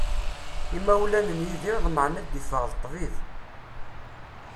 Imawlan n Yidir ḍemεen ad d-iffeɣ d ṭṭbib.